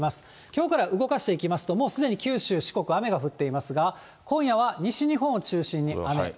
きょうから動かしていきますと、もうすでに九州、四国、雨が降っていますが、今夜は西日本を中心に雨。